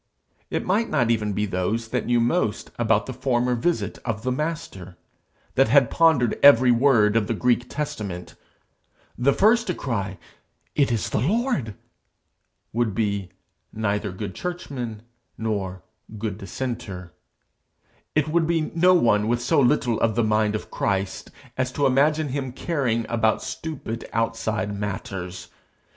It might not even be those that knew most about the former visit of the Master, that had pondered every word of the Greek Testament. The first to cry, 'It is the Lord!' would be neither 'good churchman' nor 'good dissenter.' It would be no one with so little of the mind of Christ as to imagine him caring about stupid outside matters.